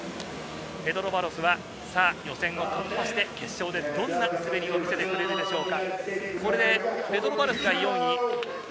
ペドロ・バロスは予選を突破して決勝でどんな滑りを見せてくれるでしょうか。